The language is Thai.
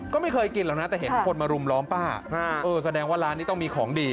ก็ไม่เคยกินหรอกนะแต่เห็นคนมารุมล้อมป้าเออแสดงว่าร้านนี้ต้องมีของดี